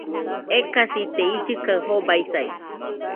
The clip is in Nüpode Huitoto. Ekasite, illɨ kaɨ jobaisai